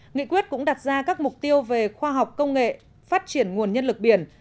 nghị quyết cũng đặt ra các mục tiêu về khoa học công nghệ phát triển nguồn nhân lực biển